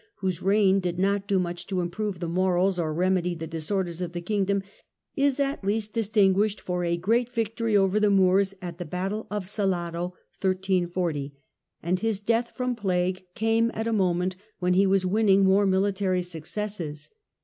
whose reign did not do much to improve the morals or remedy the disorders of the kingdom, is at least distinguished for a great victory over the Moors at the Battle of Salado, and his death from plague came at a moment when he was winning more military suc cesses.